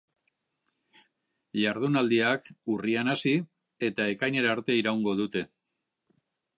Jardunaldiak urrian hasi eta ekainera arte iraungo dute.